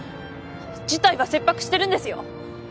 事態は切迫してるんですよ